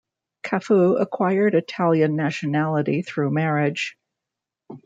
Cafu acquired Italian nationality through marriage.